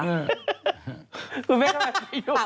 คุณแม่ก็แบบปากแม่ปั้นแล้ว